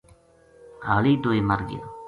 ہالی دوئے مرگیا